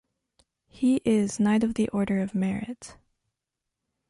He is Knight of the Order of Merit.